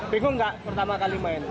bingung gak pertama kali main